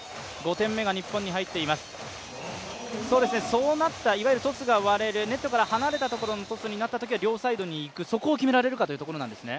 そうなった、いわゆるトスが割れるネットから離れたときのトスになったときは両サイドにいくそこを決められるかというところなんですね。